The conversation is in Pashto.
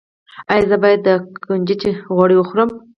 ایا زه باید د کنجد غوړي وخورم؟